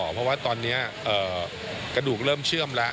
เพราะว่าตอนนี้กระดูกเริ่มเชื่อมแล้ว